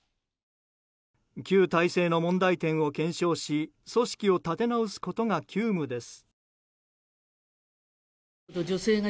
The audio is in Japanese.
旧体制の問題点を検証し組織を立て直すことが急務です。